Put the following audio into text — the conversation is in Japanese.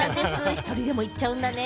１人でも行っちゃうんだね。